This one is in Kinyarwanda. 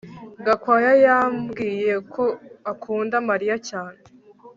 Gakwaya yambwiye ko akunda Mariya cyane